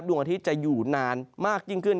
ดวงอาทิตย์จะอยู่นานมากยิ่งขึ้น